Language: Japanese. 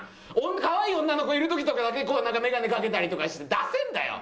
可愛い女の子いる時とかだけメガネかけたりとかしてダセえんだよ！